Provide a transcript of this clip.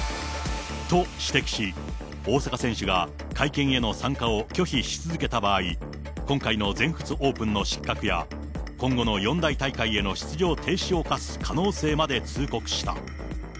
と指摘し、大坂選手が会見への参加を拒否し続けた場合、今回の全仏オープンの失格や、今後の四大大会への出場停止を科す可能性まで通告した。